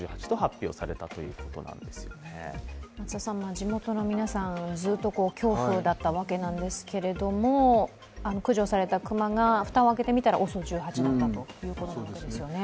地元の皆さん、ずっと恐怖だったわけなんですけれども、駆除されたクマが蓋を開けてみたらＯＳＯ１８だったということなんですよね。